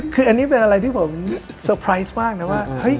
คืออันนี้เป็นอะไรที่ผมเซอร์ไพรส์มากนะว่า